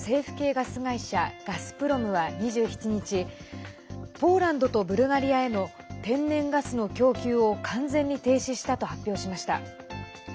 ガスプロムは２７日ポーランドとブルガリアへの天然ガスの供給を完全に停止したと発表しました。